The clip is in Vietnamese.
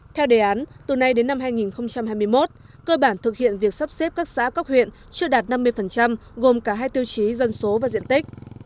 theo đề án từ nay đến năm hai nghìn hai mươi một cơ bản thực hiện việc sắp xếp các xã cấp huyện chưa đạt năm mươi gồm cả hai tiêu chí dân số và diện tích